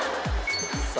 さあ。